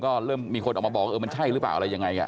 ก็เริ่มมีคนออกมาบอกเออมันใช่หรือเปล่าอะไรยังไง